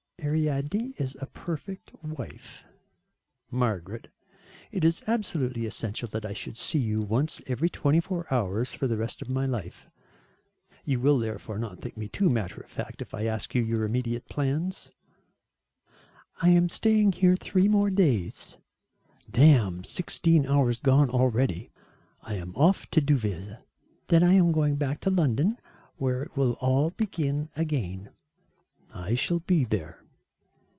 "Ariadne is a perfect wife." "Margaret, it is absolutely essential that I should see you once every twenty four hours for the rest of my life. You will, therefore, not think me too matter of fact if I ask you your immediate plans?" "I am staying here three more days." "Damn sixteen hours gone already, I am off to Deauville." "Then I am going back to London where it will all begin again." "I shall be there."